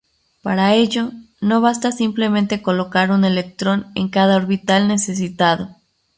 Para ello, no basta simplemente colocar un electrón en cada orbital necesitado.